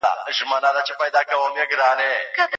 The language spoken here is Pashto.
نور به د سهار وختي پاڅېدو ته اړتیا نه وي.